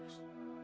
kamu kan selingkuh